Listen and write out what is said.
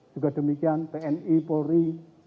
juga demikian pni polri